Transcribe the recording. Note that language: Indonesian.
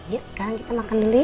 sekarang kita makan dulu ya